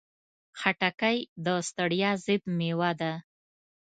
خټکی د ستړیا ضد مېوه ده.